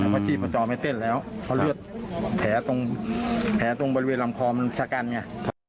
เพราะชีพจรไม่เต้นแล้วเพราะเลือดแผลตรงแผลตรงบริเวณลำคอมันชะกันไง